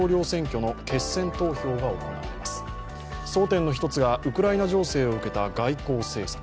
争点の一つがウクライナ情勢を受けた外交政策。